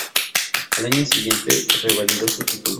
Al año siguiente revalidó su título.